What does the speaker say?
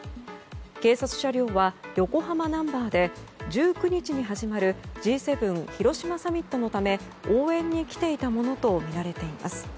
警察車両は横浜ナンバーで１９日に始まるＧ７広島サミットのため応援に来ていたものとみられています。